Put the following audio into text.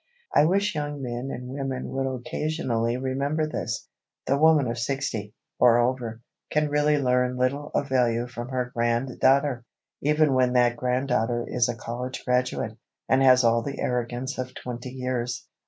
I wish young men and women would occasionally remember this. The woman of sixty, or over, can really learn little of value from her granddaughter,—even when that granddaughter is a college graduate, and has all the arrogance of twenty years.